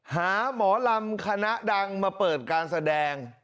หมอลำคณะดังมาเปิดการแสดง